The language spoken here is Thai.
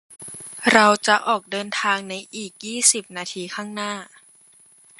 เราจะออกเดินทางในอีกยี่สิบนาทีข้างหน้า